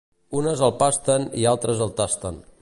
Unes el pasten i altres el tasten.